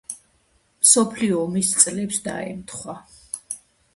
საქართველოში მისი დაბრუნება პირველი მსოფლიო ომის წლებს დაემთხვა.